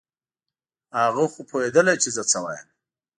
هغه خو پوهېدله چې زه څه وایم.